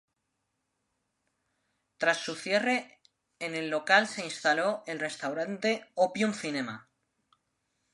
Tras su cierre en el local se instaló el restaurante "Opium Cinema".